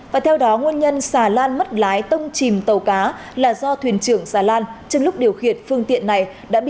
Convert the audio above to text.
và theo đó nguồn nhân xà lan mất lái tông chìm tàu cá là do thuyền trưởng xà lan trong lúc điều khiển phương tiện này